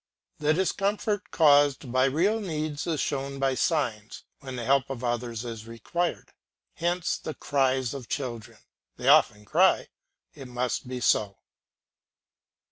The discomfort caused by real needs is shown by signs, when the help of others is required. Hence the cries of children; they often cry; it must be so.